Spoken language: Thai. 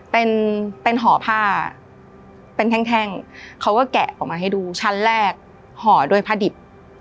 เป็นเป็นห่อผ้าเป็นแท่งเขาก็แกะออกมาให้ดูชั้นแรกห่อด้วยผ้าดิบ